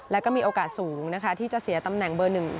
แล้วก็มีโอกาสสูงนะคะที่จะเสียตำแหน่งเบอร์๑